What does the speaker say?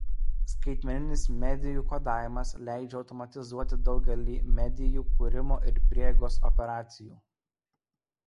Skaitmeninis medijų kodavimas leidžia automatizuoti daugelį medijų kūrimo ir prieigos operacijų.